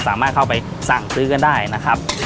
สามารถเข้าไปสั่งซื้อกันได้นะครับ